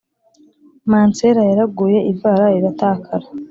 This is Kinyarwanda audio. Mansera yaraguye ivara riratakara